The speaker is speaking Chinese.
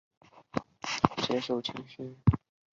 埃利早年在巴西的格雷米奥接受青训。